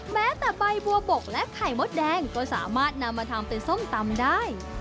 แม้แต่ใบบัวบกและไข่มดแดงก็สามารถนำมาทำเป็นส้มตำได้